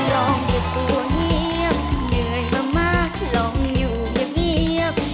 ลองเก็บตัวเงียบเหนื่อยมากลองอยู่เงียบ